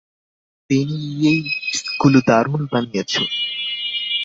বেনিইয়েইটসগুলো দারুণ বানিয়েছ।